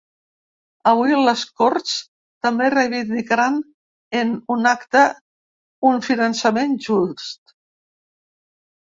Avui les corts també reivindicaran en un acte un finançament just.